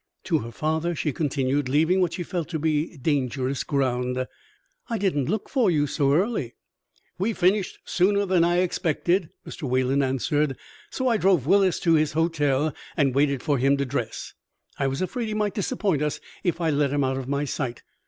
To her father, she continued, leaving what she felt to be dangerous ground: "I didn't look for you so early." "We finished sooner than I expected," Mr. Wayland answered, "so I drove Willis to his hotel and waited for him to dress. I was afraid he might disappoint us if I let him out of my sight.